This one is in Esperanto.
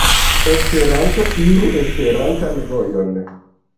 Esperanto iru Esperantan vojon.